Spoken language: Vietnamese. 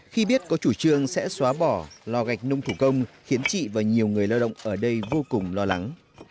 khi biết có chủ trương sẽ xóa bỏ lò gạch nung thủ công khiến chị và nhiều người lao động ở đây vô cùng lo lắng